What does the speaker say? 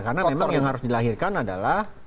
karena memang yang harus dilahirkan adalah